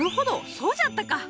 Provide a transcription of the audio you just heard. そうじゃったか！